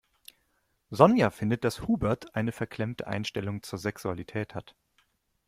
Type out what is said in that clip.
Sonja findet, dass Hubert eine verklemmte Einstellung zur Sexualität hat.